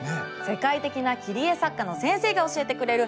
世界的な切り絵作家の先生が教えてくれる「奥深き切り絵の世界」